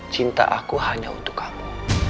cinta aku hanya untuk kamu